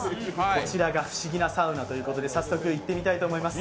こちらが不思議なサウナということで、早速行ってみたいと思います。